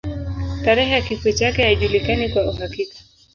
Tarehe ya kifo chake haijulikani kwa uhakika.